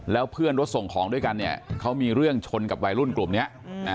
แล้วเพื่อนรถส่งของด้วยกันเนี่ยเขามีเรื่องชนกับวัยรุ่นกลุ่มนี้